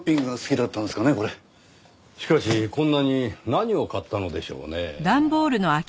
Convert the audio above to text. しかしこんなに何を買ったのでしょうねぇ。